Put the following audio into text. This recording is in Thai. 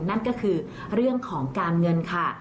นั่นก็คือเรื่องของการเงินค่ะ